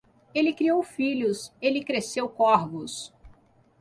Ele criou filhos, ele cresceu corvos.